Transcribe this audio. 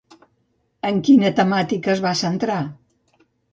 En quina temàtica es va centrar?